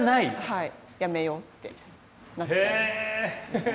はいやめようってなっちゃうんですね。